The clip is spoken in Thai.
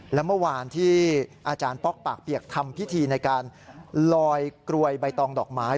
และเมื่อวานที่อาจารย์ป๊อกปากเปียกทำพิธีในการลอยกรวยใบตองดอกไม้